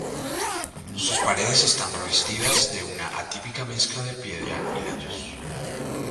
Sus paredes están revestidas de una atípica mezcla de piedra y ladrillos.